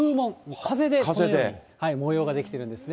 風で模様が出来てるんですね。